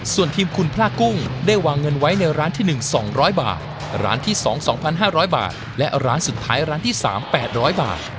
ส่วนทีมคุณพลากุ้งได้วางเงินไว้ในร้านที่๑๒๐๐บาทร้านที่๒๒๕๐๐บาทและร้านสุดท้ายร้านที่๓๘๐๐บาท